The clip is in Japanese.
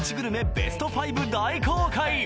ベスト５大公開！